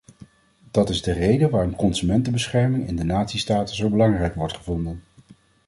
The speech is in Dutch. Dat is de reden waarom consumentenbescherming in de natiestaten zo belangrijk wordt gevonden.